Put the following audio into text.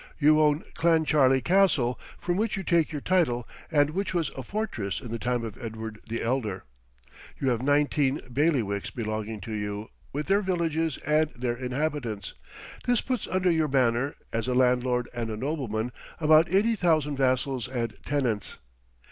You own Clancharlie Castle, from which you take your title, and which was a fortress in the time of Edward the Elder. You have nineteen bailiwicks belonging to you, with their villages and their inhabitants. This puts under your banner, as a landlord and a nobleman, about eighty thousand vassals and tenants.